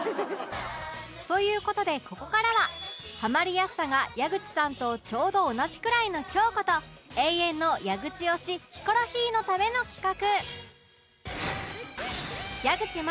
という事でここからはハマりやすさが矢口さんとちょうど同じくらいの京子と永遠の矢口推しヒコロヒーのための企画